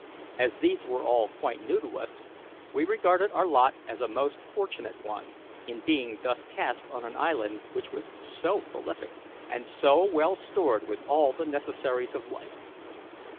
As these were all quite new to us, we regarded our lot as a most fortunate one, in being thus cast on an island which was so prolific and so well stored with all the necessaries of life.